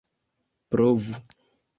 provu